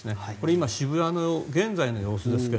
今、渋谷の現在の様子ですが。